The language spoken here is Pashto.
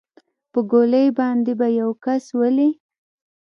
په ګولۍ باندې به يو کس ولې.